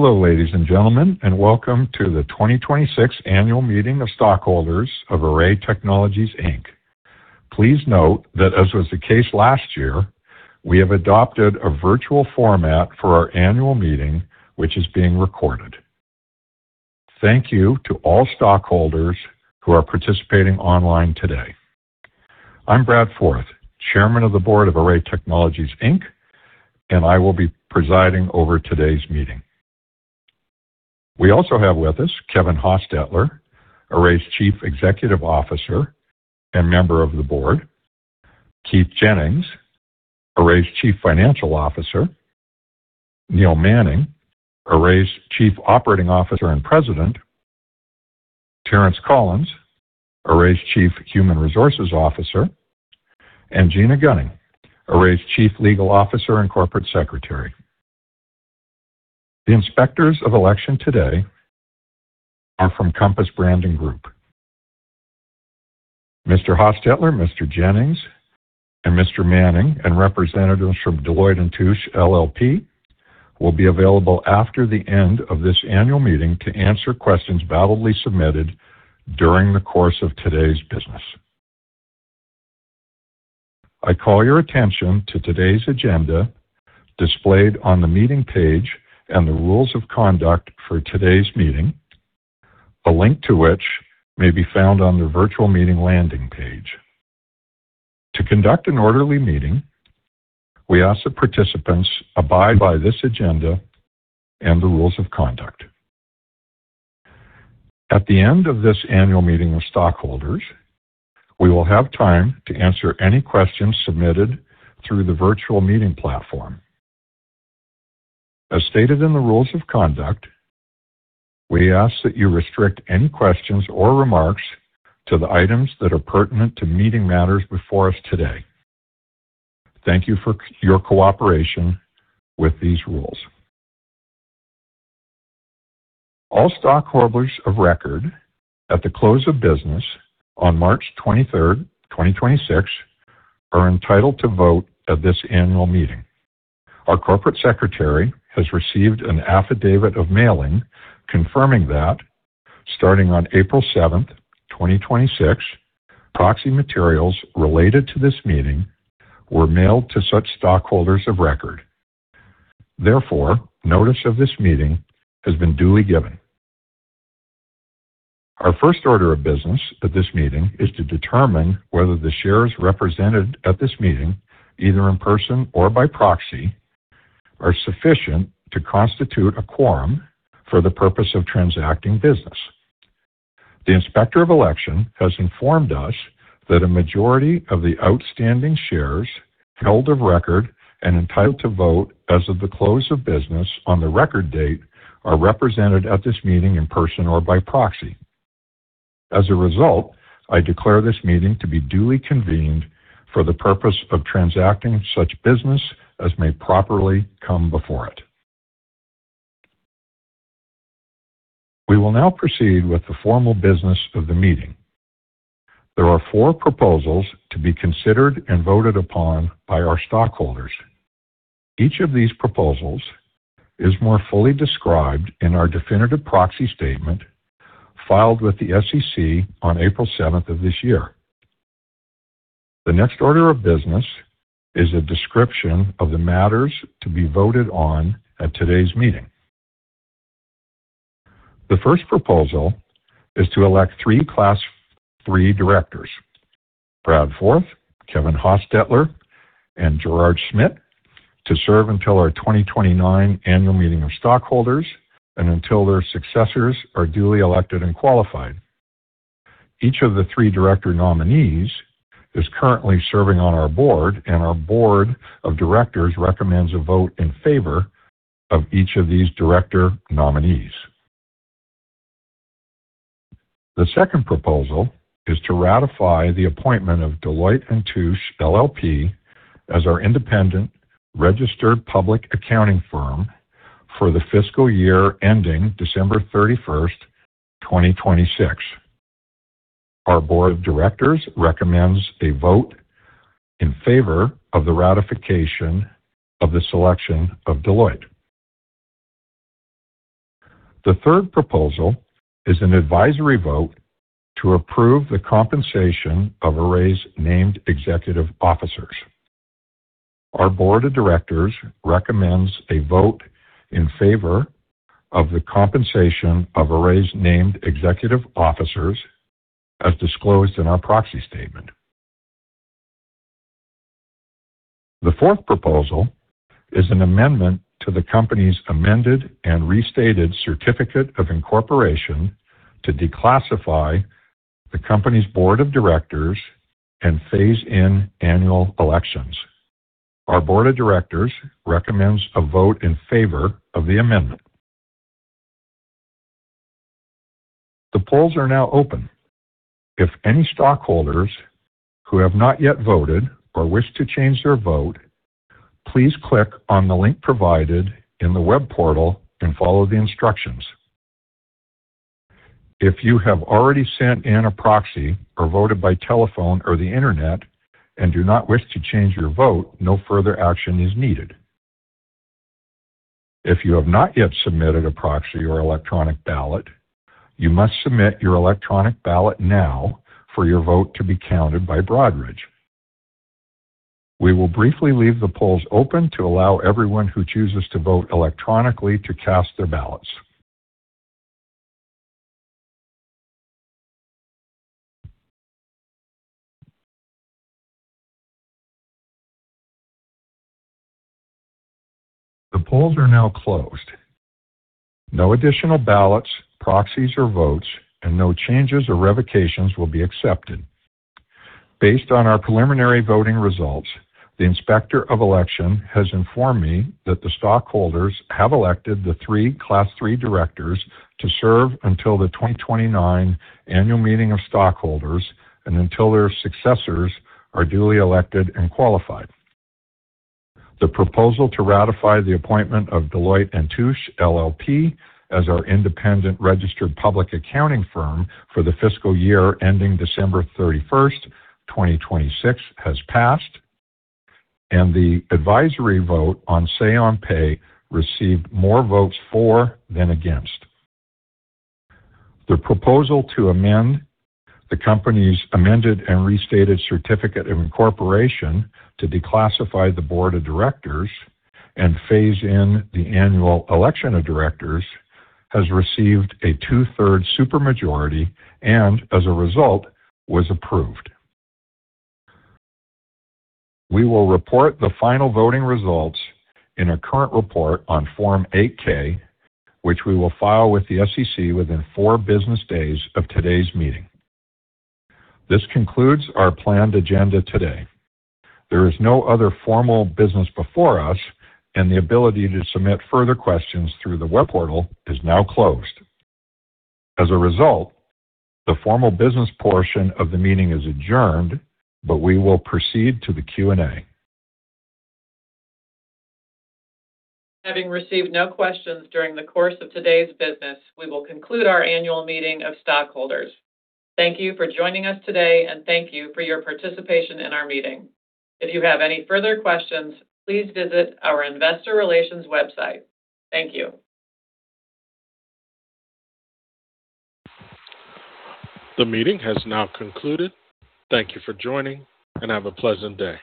Hello, ladies and gentlemen, welcome to the 2026 Annual Meeting of Stockholders of Array Technologies, Inc. Please note that as was the case last year, we have adopted a virtual format for our annual meeting, which is being recorded. Thank you to all stockholders who are participating online today. I'm Brad Forth, Chairman of the Board of Array Technologies, Inc, and I will be presiding over today's meeting. We also have with us Kevin Hostetler, Array's Chief Executive Officer and one member of the board, Keith Jennings, Array's Chief Financial Officer, Neil Manning, Array's Chief Operating Officer and President, Terrance Collins, Array's Chief Human Resources Officer, and Gina Gunning, Array's Chief Legal Officer and Corporate Secretary. The inspectors of election today are from Compass Branding Group. Mr. Hostetler, Mr. Jennings, and Mr. Manning, and representatives from Deloitte & Touche, LLP, will be available after the end of this annual meeting to answer questions validly submitted during the course of today's business. I call your attention to today's agenda displayed on the meeting page and the rules of conduct for today's meeting, a link to which may be found on the virtual meeting landing page. To conduct an orderly meeting, we ask that participants abide by this agenda and the rules of conduct. At the end of this Annual Meeting of Stockholders, we will have time to answer any questions submitted through the virtual meeting platform. As stated in the rules of conduct, we ask that you restrict any questions or remarks to the items that are pertinent to meeting matters before us today. Thank you for your cooperation with these rules. All stockholders of record at the close of business on March 23rd, 2026 are entitled to vote at this annual meeting. Our corporate secretary has received an affidavit of mailing confirming that starting on April 7th, 2026, proxy materials related to this meeting were mailed to such stockholders of record. Notice of this meeting has been duly given. Our first order of business at this meeting is to determine whether the shares represented at this meeting, either in person or by proxy, are sufficient to constitute a quorum for the purpose of transacting business. The inspector of election has informed us that a majority of the outstanding shares held of record and entitled to vote as of the close of business on the record date are represented at this meeting in person or by proxy. As a result, I declare this meeting to be duly convened for the purpose of transacting such business as may properly come before it. We will now proceed with the formal business of the meeting. There are four proposals to be considered and voted upon by our stockholders. Each of these proposals is more fully described in our definitive proxy statement filed with the SEC on April 7th of this year. The next order of business is a description of the matters to be voted on at today's meeting. The first proposal is to elect three Class III directors, Brad Forth, Kevin Hostetler, and Gerrard Schmid, to serve until our 2029 Annual Meeting of Stockholders and until their successors are duly elected and qualified. Each of the three director nominees is currently serving on our board, and our board of directors recommends a vote in favor of each of these director nominees. The second proposal is to ratify the appointment of Deloitte & Touche LLP as our independent registered public accounting firm for the fiscal year ending December 31st, 2026. Our board of directors recommends a vote in favor of the ratification of the selection of Deloitte. The third proposal is an advisory vote to approve the compensation of Array's named executive officers. Our board of directors recommends a vote in favor of the compensation of Array's named executive officers as disclosed in our proxy statement. The fourth proposal is an amendment to the company's amended and restated certificate of incorporation to declassify the company's board of directors and phase in annual elections. Our board of directors recommends a vote in favor of the amendment. The polls are now open. If any stockholders who have not yet voted or wish to change their vote, please click on the link provided in the web portal and follow the instructions. If you have already sent in a proxy or voted by telephone or the internet and do not wish to change your vote, no further action is needed. If you have not yet submitted a proxy or electronic ballot, you must submit your electronic ballot now for your vote to be counted by Broadridge. We will briefly leave the polls open to allow everyone who chooses to vote electronically to cast their ballots. The polls are now closed. No additional ballots, proxies, or votes, and no changes or revocations will be accepted. Based on our preliminary voting results, the inspector of election has informed me that the stockholders have elected the three Class III directors to serve until the 2029 Annual Meeting of Stockholders and until their successors are duly elected and qualified. The proposal to ratify the appointment of Deloitte & Touche LLP as our independent registered public accounting firm for the fiscal year ending December 31st, 2026, has passed, and the advisory vote on Say on Pay received more votes for than against. The proposal to amend the company's amended and restated certificate of incorporation to declassify the board of directors and phase in the annual election of directors has received a two-thirds supermajority and, as a result, was approved. We will report the final voting results in a current report on Form 8-K, which we will file with the SEC within four business days of today's meeting. This concludes our planned agenda today. There is no other formal business before us. The ability to submit further questions through the web portal is now closed. As a result, the formal business portion of the meeting is adjourned. We will proceed to the Q&A. Having received no questions during the course of today's business, we will conclude our annual meeting of stockholders. Thank you for joining us today, and thank you for your participation in our meeting. If you have any further questions, please visit our investor relations website. Thank you. The meeting has now concluded. Thank you for joining, and have a pleasant day.